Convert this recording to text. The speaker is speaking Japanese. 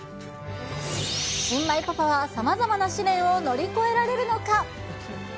新米パパはさまざまな試練を乗り越えられるのか。